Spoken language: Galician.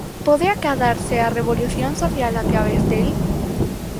Pode acadarse a revolución social a través del?